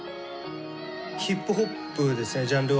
ヒップホップですねジャンルは。